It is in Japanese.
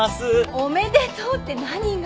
「おめでとう」って何が？